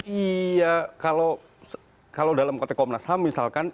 iya kalau dalam konteks komnas ham misalkan